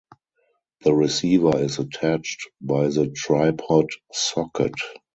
The receiver is attached by the tripod socket.